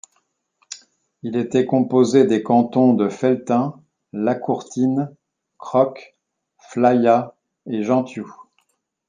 Il était composé des cantons de Felletin, la Courtine, Crocq, Flayat et Gentioux.